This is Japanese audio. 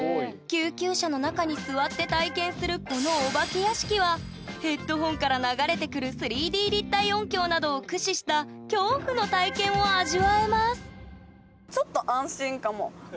救急車の中に座って体験するこのお化け屋敷はヘッドホンから流れてくる３Ｄ立体音響などを駆使した恐怖の体験を味わえます